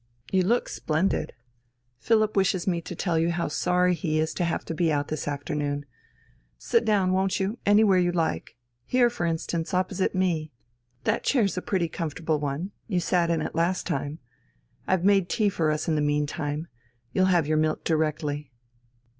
You look splendid. Philipp wishes me to tell you how sorry he is to have to be out this afternoon. Sit down, won't you, anywhere you like here, for instance, opposite me. That chair's a pretty comfortable one, you sat in it last time. I've made tea for us in the meantime. You'll have your milk directly...."